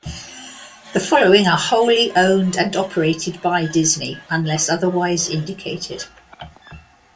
The following are wholly owned and operated by Disney, unless otherwise indicated.